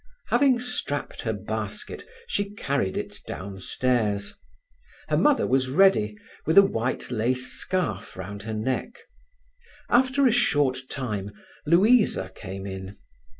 Having strapped her basket, she carried it downstairs. Her mother was ready, with a white lace scarf round her neck. After a short time Louisa came in.